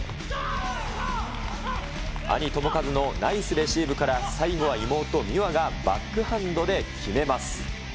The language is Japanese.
兄、智和のナイスレシーブから最後は妹、美和がバックハンドで決めます。